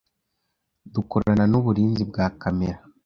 dukorana nuburinzi bwa kamere